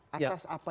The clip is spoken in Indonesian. atas apa yang terjadi